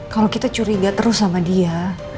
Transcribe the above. kalau kita curiga terus sama dia